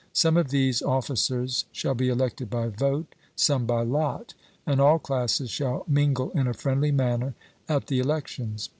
Some of these officers shall be elected by vote, some by lot; and all classes shall mingle in a friendly manner at the elections.